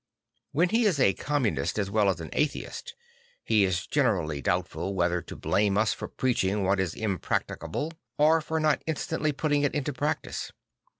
When he is a communist as well as an atheist, he is generally doubtful whether to blame us for preaching what is impracticable or for not instantly putting it into practice.